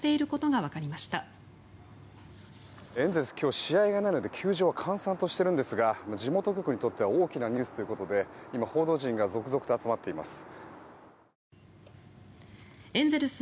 今日は試合がないので閑散としているんですが地元局にとっては大きなニュースということで今、報道陣が続々と集まっています。